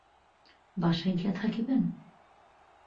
বাসায় গিয়া থাকিবেন?